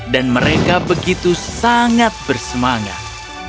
mereka begitu sangat bersemangat